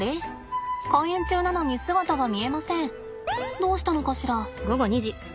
どうしたのかしら。